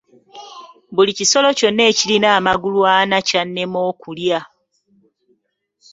Buli kisolo kyonna ekirina amagulu ana kyannema okulya.